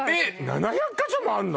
７００か所もあるの！？